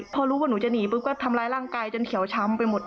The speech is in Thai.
พอรู้ว่าหนูจะหนีปุ๊บก็ทำร้ายร่างกายจนเขียวช้ำไปหมด